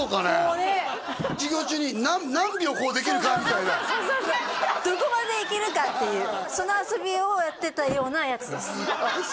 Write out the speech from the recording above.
こうね授業中に何秒こうできるかみたいなどこまでいけるかっていうその遊びをやってたようなヤツですあっ